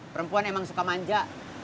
perempuan emang suka manja